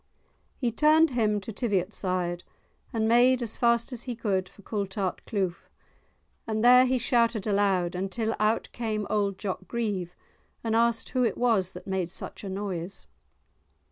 He turned him to Tiviotside and made as fast as he could for Coultart cleugh, and there he shouted aloud until out came old Jock Grieve, and asked who it was that made such a noise.